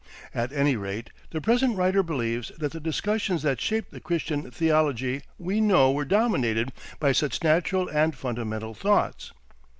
At any rate the present writer believes that the discussions that shaped the Christian theology we know were dominated by such natural and fundamental thoughts.